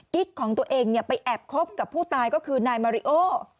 ของตัวเองไปแอบคบกับผู้ตายก็คือนายมาริโอ